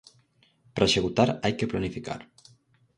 Para executar hai que planificar.